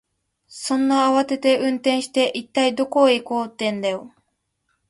そんなに慌てて運転して、一体どこへ行こうってんだよ。